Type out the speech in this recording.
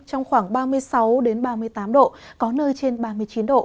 trong khoảng ba mươi sáu ba mươi tám độ có nơi trên ba mươi chín độ